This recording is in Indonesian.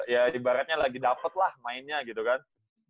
ya ibaratnya lagi dapet lah mainnya gitu kan